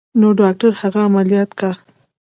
نو ډاکتر هغه عمليات کا.